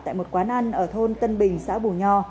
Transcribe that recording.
tại một quán ăn ở thôn tân bình xã bù nho